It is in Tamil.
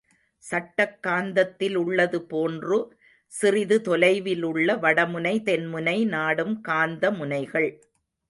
சட்டக் காந்தத்திலுள்ளது போன்று சிறிது தொலைவிலுள்ள வடமுனை தென்முனை நாடும் காந்த முனைகள்.